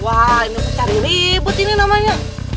wah ini cari ribut ini namanya